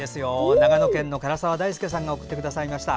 長野県の唐澤大助さんが送ってくださいました。